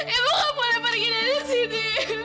ibu kamu boleh pergi dari sini